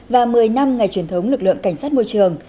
và một mươi năm ngày truyền thống lực lượng cảnh sát môi trường